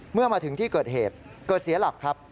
เมื่อมาถึงที่เกิดเหตุเกิดเสียหลักครับ